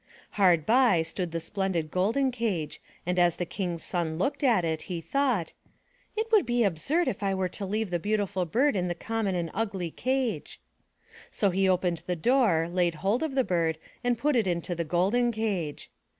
Hard by, stood the splendid golden cage, and as the King's son looked at it, he thought: It would be absurd if I were to leave the beautiful bird in the common and ugly cage." So he opened the door, laid hold of the bird and put it into the golden cage.